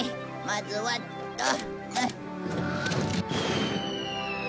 まずはっと。